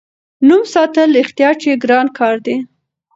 نوم ساتل رښتیا چې ګران کار دی.